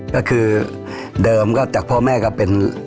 ก็คือเดิมก็จากพ่อแม่ก็เป็น